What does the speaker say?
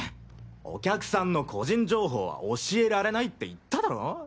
お客さんの個人情報は教えられないって言っただろ？